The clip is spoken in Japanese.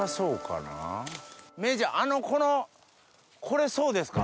名人あのこのこれそうですか？